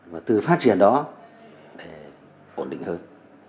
và từ phát triển đó để ổn định hơn